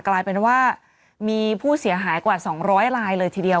กลายเป็นว่ามีผู้เสียหายกว่า๒๐๐ลายเลยทีเดียว